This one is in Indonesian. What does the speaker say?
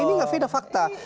ini nggak fitnah fakta